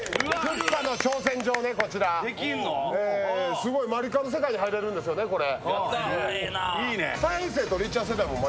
すごい、「マリカ」の世界に入れるんですね、これ。